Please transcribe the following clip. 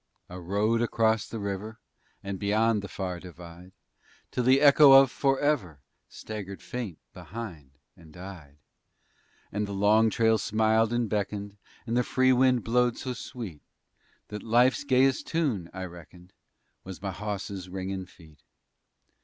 _ I rode across the river And beyond the far divide, Till the echo of "forever" Staggered faint behind and died. For the long trail smiled and beckoned And the free wind blowed so sweet, That life's gayest tune, I reckoned, Was my hawse's ringin' feet.